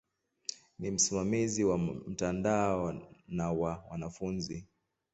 Ni msimamizi wa mtandao na wa wanafunzi.